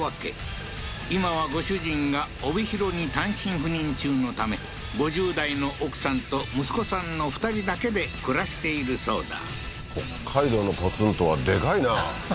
今はご主人が帯広に単身赴任中のため５０代の奥さんと息子さんの２人だけで暮らしているそうだ北海道のポツンとはでかいなははは